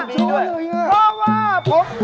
เพราะว่าผม